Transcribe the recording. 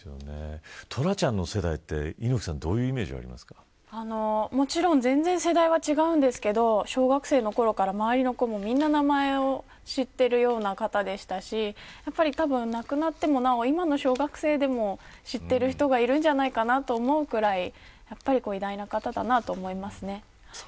トラちゃんの世代って猪木さんはもちろん全然世代は違うんですけど小学生のころから周りの子もみんな名前を知ってるような方でしたしたぶん亡くなってもなお今の小学生でも知っている人がいるんじゃないかと思うくらいやっぱり偉大な方だなと思いますね。